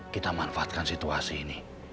kita manfaatkan situasi ini